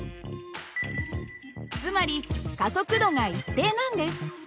つまり加速度が一定なんです。